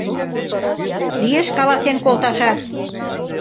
Лиеш каласен колташат.